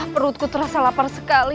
perutku terasa lapar sekali